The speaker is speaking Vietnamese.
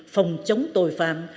phòng chống tội phạm